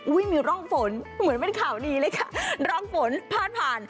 มีร่องฝนเหมือนเป็นข่าวดีเลยค่ะร่องฝนพาดผ่าน